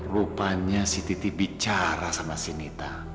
rupanya si titi bicara sama si nita